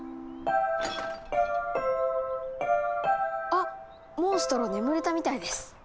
あモンストロ眠れたみたいです。